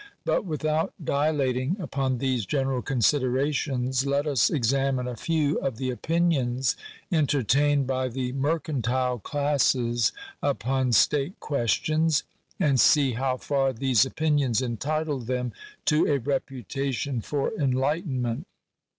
But without dilating upon these general considerations, let us examine a few of the opinions entertained by the mercantile classes upon state ques tions, and see how far these opinions entitle them to a reputation for enlightenment.